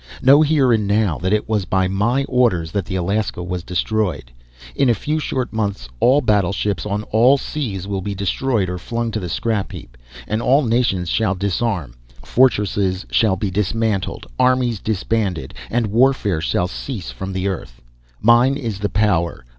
Know here and now that it was by my orders that the Alaska was destroyed. In a few short months, all battleships on all seas will be destroyed or flung to the scrap heap, and all nations shall disarm; fortresses shall be dismantled, armies disbanded, and warfare shall cease from the earth. Mine is the power.